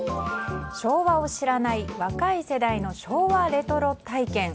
昭和を知らない若い世代の昭和レトロ体験。